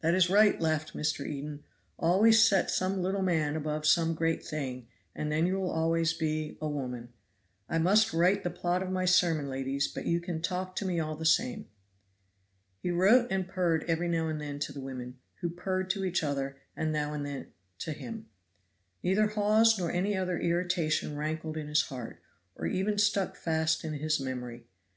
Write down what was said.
"That is right," laughed Mr. Eden, "always set some little man above some great thing, and then you will always be a woman. I must write the plot of my sermon, ladies, but you can talk to me all the same." He wrote and purred every now and then to the women, who purred to each other and now and then to him. Neither Hawes nor any other irritation rankled in his heart, or even stuck fast in his memory.